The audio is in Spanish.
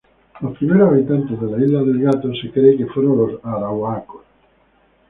Los primeros habitantes de la isla del Gato se cree que fueron los arahuacos.